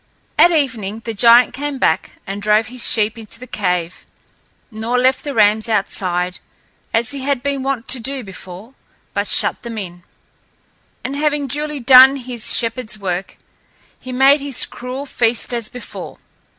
At evening the giant came back and drove his sheep into the cave, nor left the rams outside, as he had been wont to do before, but shut them in. And having duly done his shepherd's work, he made his cruel feast as before.